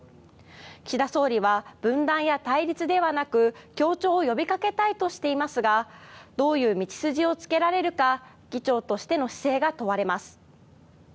岸田総理は分断や対立ではなく協調を呼びかけたいとしていますがどういう道筋をつけられるか議長としての姿勢が問われます。